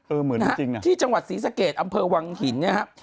เออเหมือนจริงนะครับที่จังหวัดศรีสะเกตอำเภอวังหินนะครับ